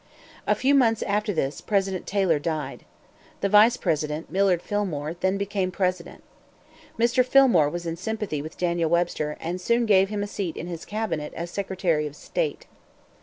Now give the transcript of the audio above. A few months after this, President Taylor died. The vice president, Millard Fillmore, then became president. Mr. Fillmore was in sympathy with Daniel Webster, and soon gave him a seat in his cabinet as secretary of state.